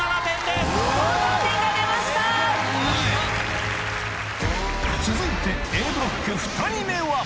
すごい！続いて Ａ ブロック２人目は